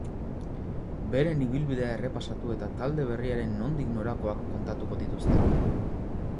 Beren ibilbidea errepasatu eta talde berriaren nondik norakoak kontatuko dituzte.